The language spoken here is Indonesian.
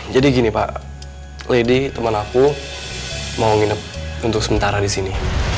jadi gini pak lady teman aku mau nginep untuk sementara di sini